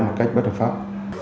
một cách bất hợp pháp